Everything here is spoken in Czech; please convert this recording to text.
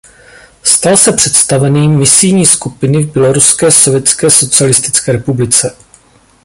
Stal se představeným misijní skupiny v Běloruské sovětské socialistické republice.